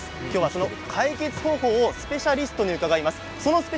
その解決方法をスペシャリストにお伺いします。